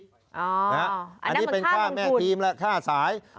อันนั้นเป็นค่ามงทุนอันนี้เป็นค่าแม่ทีมล่ะค่าสาย